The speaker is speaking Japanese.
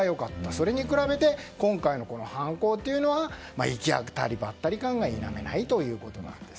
それに比べて、今回の犯行は行き当たりばったり感がいなめないということです。